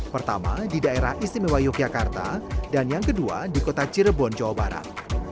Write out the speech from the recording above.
pertama di daerah istimewa yogyakarta dan yang kedua di kota cirebon jawa barat